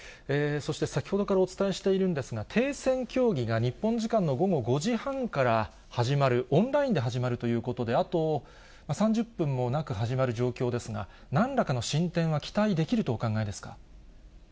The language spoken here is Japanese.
そして、先ほどからお伝えしているんですが、停戦協議が日本時間の午後５時半から始まる、オンラインで始まるということで、あと３０分もなく始まる状況ですが、なんらかの進展は期待できるとお考えですか。